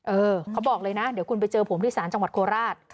เออเขาบอกเลยนะเดี๋ยวคุณไปเจอผมที่ศาลจังหวัดโคราช